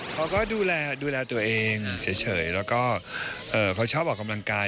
เขาก็ดูแลดูแลตัวเองเฉยแล้วก็เขาชอบออกกำลังกาย